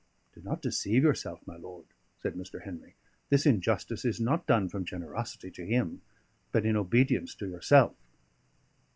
"Do not deceive yourself, my lord," said Mr. Henry. "This injustice is not done from generosity to him, but in obedience to yourself."